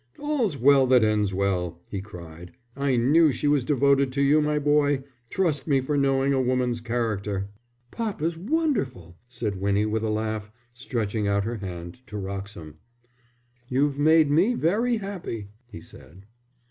"All's well that ends well," he cried. "I knew she was devoted to you, my boy. Trust me for knowing a woman's character." "Papa's wonderful," said Winnie, with a laugh, stretching out her hand to Wroxham. "You've made me very happy," he said.